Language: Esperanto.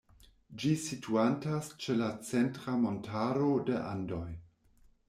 Ĝi situantas ĉe la Centra Montaro de Andoj.